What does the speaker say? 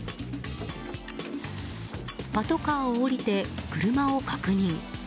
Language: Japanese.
パトカーを降りて車を確認。